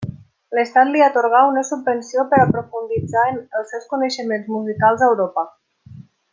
L'Estat li atorgà una subvenció per a profunditzar els seus coneixements musicals a Europa.